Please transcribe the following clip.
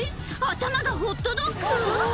頭がホットドッグ？